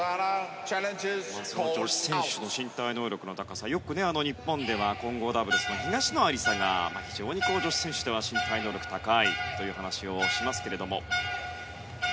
女子選手の身体能力の高さよく日本では混合ダブルスの東野有紗が非常に女子選手では身体能力が高いという話をしますけれども。